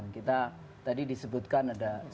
kita tadi disebutkan ada suara ibu beduli